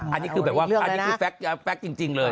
อันนี้คือแบบว่าอันนี้คือแก๊กจริงเลย